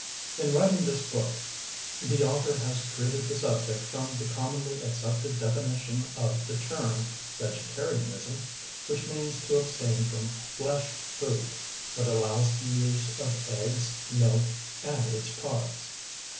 In writing this book, the author has treated the subject from the commonly accepted definition of the term vegetarianism, which means to abstain from flesh food, but allows the use of eggs, milk, and its products.